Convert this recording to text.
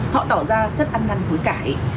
họ tỏ ra rất ăn năn cuối cãi